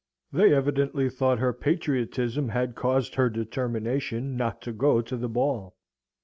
They evidently thought her patriotism had caused her determination not to go to the ball.